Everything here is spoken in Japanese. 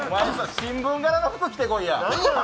新聞柄の服、着てこいや。